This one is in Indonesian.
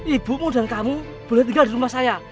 ibumu dan kamu boleh tinggal di rumah saya